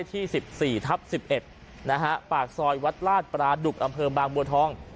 ที่สิบสี่ทับสิบเอ็ดนะฮะปากซอยวัดราชปราดุกอำเภอบางบัวท้อง